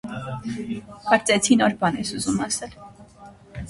- Կարծեցի նոր բան ես ուզում ասել: